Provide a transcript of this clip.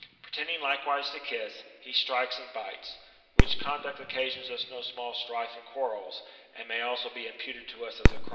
Pretending likewise to kiss, he strikes and bites : which conduct occasions us no small strife and quarrels, and may also be imputed to us as a GOLDEN ASSy OF AFUMIIUS^^ BOOK VII.